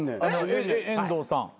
遠藤さん。